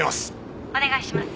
「お願いします」